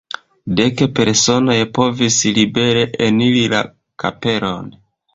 Dek personoj povis libere eniri la kapelon.